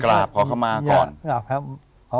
กราบพอเข้ามาก่อน